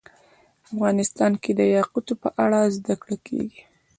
افغانستان کې د یاقوت په اړه زده کړه کېږي.